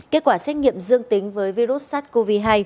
kết quả xét nghiệm dương tính với virus sars cov hai